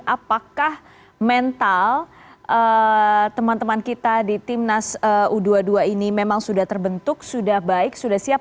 apakah mental teman teman kita di timnas u dua puluh dua ini memang sudah terbentuk sudah baik sudah siap